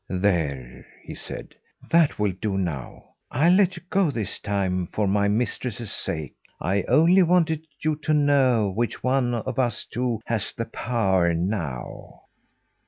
"There!" he said, "that will do now. I'll let you go this time, for my mistress's sake. I only wanted you to know which one of us two has the power now."